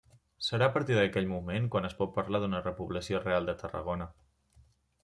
Serà a partir d'aquell moment quan es pot parlar d'una repoblació real de Tarragona.